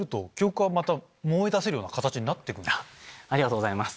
ありがとうございます。